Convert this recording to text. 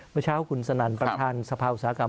เมื่อเช้าคุณสนั่นประธานสภาอุตสาหกรรม